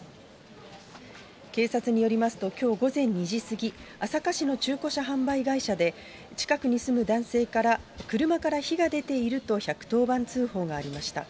警察によりますと、きょう午前２時過ぎ、朝霞市の中古車販売会社で、近くに住む男性から車から火が出ていると１１０番通報がありました。